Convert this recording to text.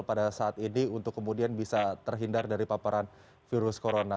pada saat ini untuk kemudian bisa terhindar dari paparan virus corona